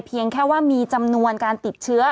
เพียงแค่ว่ามีจำนวนการติดเชื้อ